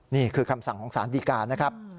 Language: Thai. นี่คือคำสั่งของสารดีการนะครับ